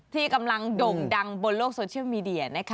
ที่กำลังด่งบนโลกโซเชียลมีเดีย